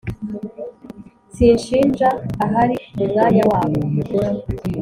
sinshinja. ahari mu mwanya wabo